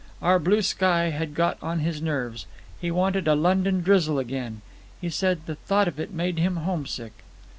Our blue sky had got on his nerves. He wanted a London drizzle again. He said the thought of it made him homesick."